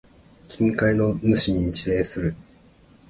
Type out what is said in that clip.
近海の主に一礼する。